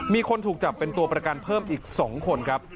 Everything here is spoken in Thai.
มีคนถูกจับเป็นตัวประกันเพิ่มอีก๒คนครับ